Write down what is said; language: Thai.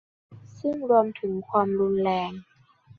ซึ่งรวมถึงความรุนแรง